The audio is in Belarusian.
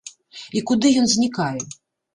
І куды ён знікае?